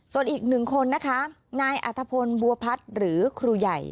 ส่วนอีกหนึ่งคนนะคะนายอัธพลบัวพัฒน์หรือครูใหญ่